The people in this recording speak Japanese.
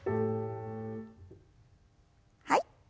はい。